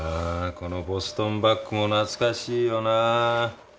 このボストンバッグも懐かしいよな。